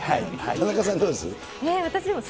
田中さん、どうです？